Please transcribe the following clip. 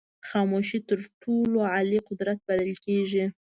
خاموشي تر ټولو عالي قدرت بلل کېږي.